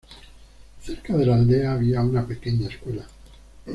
Cerca de la aldea había una pequeña escuela.